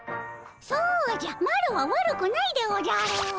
そうじゃマロは悪くないでおじゃる！